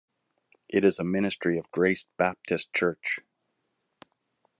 It is a ministry of Grace Baptist Church.